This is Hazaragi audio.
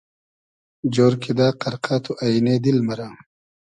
جۉر کیدہ قئرقۂ تو اݷنې دیل مئرۂ